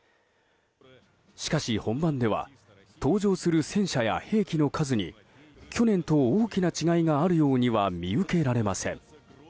しかし、本番では登場する戦車や兵器の数に去年と大きな違いがあるようには見受けられません。